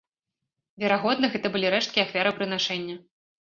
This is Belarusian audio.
Верагодна, гэта былі рэшткі ахвярапрынашэння.